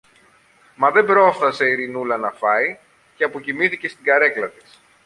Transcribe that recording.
Μα δεν πρόφθασε η Ειρηνούλα να φάει, και αποκοιμήθηκε στην καρέκλα της.